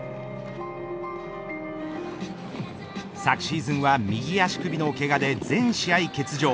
昨シーズンは右足首のけがで全試合欠場。